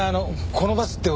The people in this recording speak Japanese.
このバスってほら。